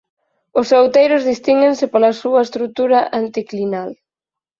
Os outeiros distínguense pola súa estrutura anticlinal.